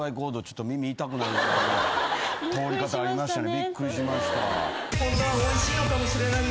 びっくりしましたね。